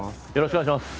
お願いします。